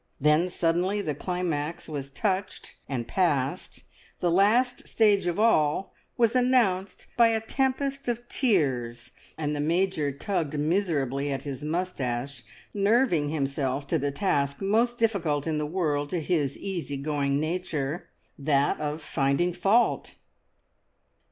Then suddenly the climax was touched and passed; the last stage of all was announced by a tempest of tears, and the Major tugged miserably at his moustache, nerving himself to the task most difficult in the world to his easy going nature, that of finding fault!